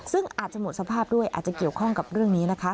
ซึ่งอาจจะหมดสภาพด้วยอาจจะเกี่ยวข้องกับเรื่องนี้นะคะ